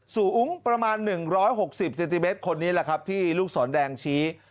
สูงประมาณ๑๖๐เซนติเมตรคนนี้แหละครับที่ลูกศรแดงชี้